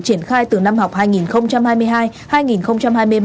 triển khai từ năm học hai nghìn hai mươi hai hai nghìn hai mươi ba